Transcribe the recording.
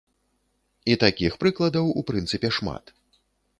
І такіх прыкладаў, у прынцыпе, шмат.